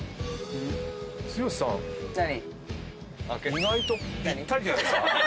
意外とぴったりじゃないですか？